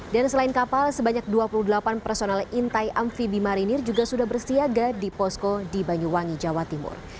dan selain kapal sebanyak dua puluh delapan personel intai amfibi marinir juga sudah bersiaga di posko di banyuwangi jawa timur